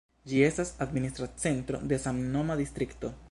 Ĝi estas la administra centro de samnoma distrikto.